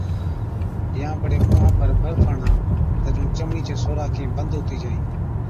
يان بڙي مُونهان پر برف هڻا تہ جُون چمڙِي چين سوراخين بند هُتِي جائِي۔